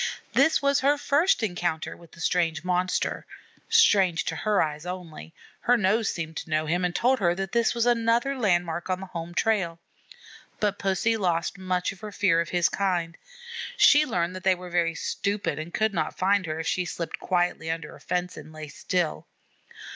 This was her first encounter with the strange monster, strange to her eyes only; her nose seemed to know him and told her this was another landmark on the home trail. But Pussy lost much of her fear of his kind. She learned that they were very stupid and could not find her if she slipped quietly under a fence and lay still.